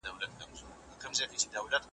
یوه ښځه یو مېړه له دوو ښارونو ,